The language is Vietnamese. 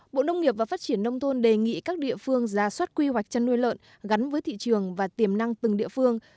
bộ nông nghiệp và phát triển nông thôn đề nghị các địa phương ra soát quy hoạch chăn nuôi lợn gắn với thị trường và tiềm năng từng địa phương